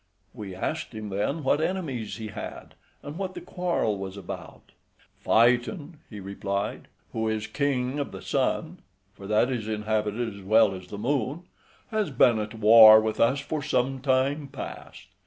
We asked him then what enemies he had, and what the quarrel was about? "Phaeton," he replied, "who is king of the sun {83b} (for that is inhabited as well as the moon), has been at war with us for some time past.